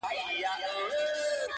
سپين گل د بادام مي د زړه ور مـات كړ.